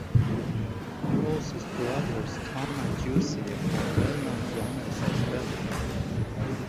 Both his brothers Tom and Jussi are well-known drummers as well.